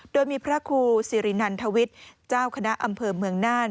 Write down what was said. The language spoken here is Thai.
โดยมีพระครูสิรินันทวิทย์เจ้าคณะอำเภอเมืองน่าน